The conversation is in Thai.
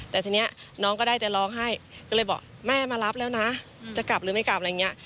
แต่ทีนี้น้องก็ได้แต่ร้องไห้ก็เลยบอกแม่มารับแล้วนะจะกลับหรือไม่กลับอะไรอย่างนี้